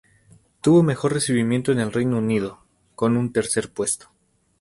Tuvo mejor recibimiento en el Reino Unido, con un tercer puesto.